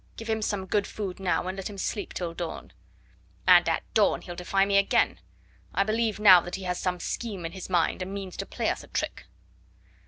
Give him some good food now, and let him sleep till dawn." "And at dawn he'll defy me again. I believe now that he has some scheme in his mind, and means to play us a trick."